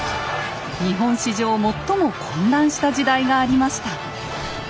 日本史上最も混乱した時代がありました。